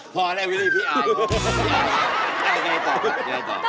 พอแล้ววิวิพี่อาย